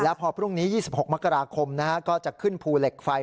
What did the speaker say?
แล้วพอพรุ่งนี้๒๖มกราคมก็จะขึ้นภูเหล็กไฟ